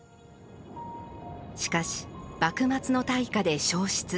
しかし、幕末の大火で焼失。